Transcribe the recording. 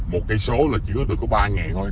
một cây số là chỉ có được ba ngàn thôi